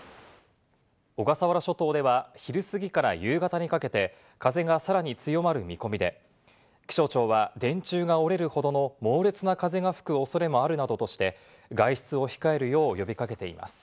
小笠原諸島では昼過ぎから夕方にかけて風がさらに強まる見込みで、気象庁は電柱が折れるほどの猛烈な風が吹く恐れもあるなどとして外出を控えるよう呼びかけています。